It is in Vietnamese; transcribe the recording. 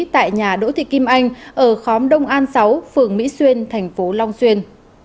tại nhà đỗ thị kim anh ở khóm đông an sáu phường mỹ xuyên thành phố long xuyên